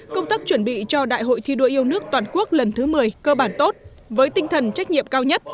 công tác chuẩn bị cho đại hội thi đua yêu nước toàn quốc lần thứ một mươi cơ bản tốt với tinh thần trách nhiệm cao nhất